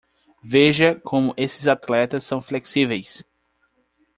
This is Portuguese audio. Veja como esses atletas são flexíveis!